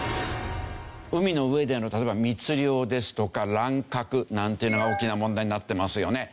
海の上での例えば。なんていうのが大きな問題になってますよね。